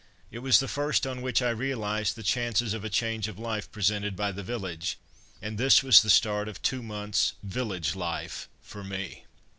It was the first on which I realized the chances of a change of life presented by the village, and this was the start of two months' "village" life for me.